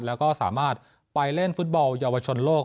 แล้วก็สามารถไปเล่นฟุตบอลเยาวชนโลก